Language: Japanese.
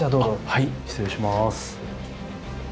はい失礼します。